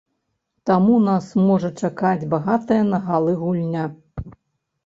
Таму нас можа чакаць багатая на галы гульня.